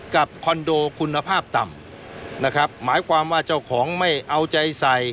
คอนโดคุณภาพต่ำนะครับหมายความว่าเจ้าของไม่เอาใจใส่